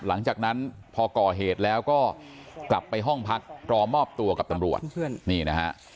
หลังจากนั้นพอก่อเหตุแล้วก็กลับไปห้องพักรอมอบตัวกับตำรวจนี่นะฮะ